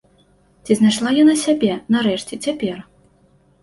Ці знайшла яна сябе, нарэшце, цяпер?